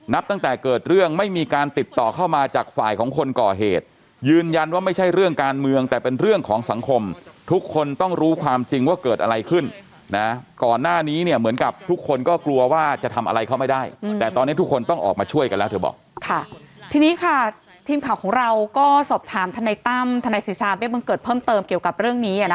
ตั้งแต่เกิดเรื่องไม่มีการติดต่อเข้ามาจากฝ่ายของคนก่อเหตุยืนยันว่าไม่ใช่เรื่องการเมืองแต่เป็นเรื่องของสังคมทุกคนต้องรู้ความจริงว่าเกิดอะไรขึ้นนะก่อนหน้านี้เนี่ยเหมือนกับทุกคนก็กลัวว่าจะทำอะไรเขาไม่ได้แต่ตอนนี้ทุกคนต้องออกมาช่วยกันแล้วเธอบอกค่ะทีนี้ค่ะทีมข่าวของเราก็สอบถามทนายตั้มทนายสิทธาเบี้บังเกิดเพิ่มเติมเกี่ยวกับเรื่องนี้อ่ะนะ